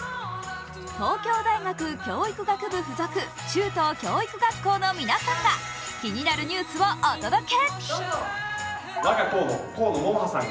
東京大学教育学部附属中等教育学校の皆さんが気になるニュースをお届け。